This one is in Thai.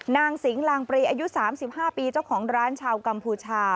สิงหลางปรีอายุ๓๕ปีเจ้าของร้านชาวกัมพูชา